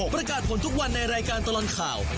ประกาศผลทุกวันในรายการตลอดข่าว